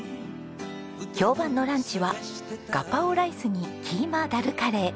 評判のランチはガパオライスにキーマダルカレー。